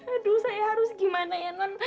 aduh saya harus gimana ya nonton